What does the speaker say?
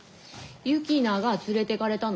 ユキナが連れてかれたの？